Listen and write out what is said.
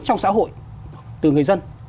trong xã hội từ người dân